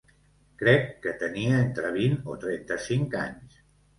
Crec que tenia entre vint o trenta-cinc anys.